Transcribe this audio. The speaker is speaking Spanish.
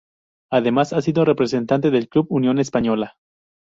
Además ha sido presidente del club Unión Española.